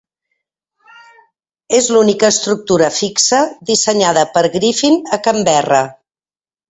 És l'única estructura fixa dissenyada per Griffin a Canberra.